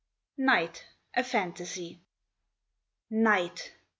NIGHT, A PHANTASY Night!